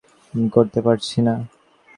ভাষায় তাঁদের প্রতি কৃতজ্ঞতা প্রকাশ করতে পারছি না।